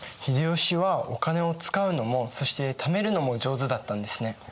秀吉はお金を使うのもそしてためるのも上手だったんですね。